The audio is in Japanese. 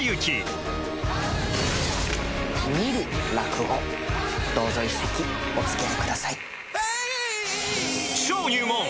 見る落語どうぞ一席おつきあい下さい。